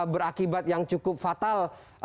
berakibat yang cukup fatal